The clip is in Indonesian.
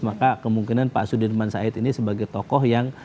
maka kemungkinan pak sudirman said ini sebagai tokoh yang